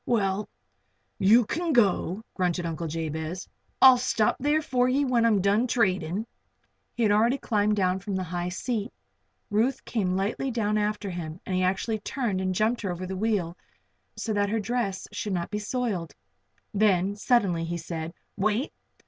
"Well, you can go," grunted Uncle Jabez. "I'll stop there for ye when I'm done tradin'." He had already climbed down from the high seat. Ruth came lightly down after him and he actually turned and jumped her over the wheel so that her dress should not be soiled. Then, suddenly, he said: "Wait.